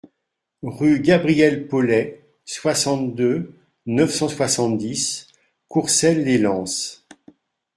Rue Gabriel Pollet, soixante-deux, neuf cent soixante-dix Courcelles-lès-Lens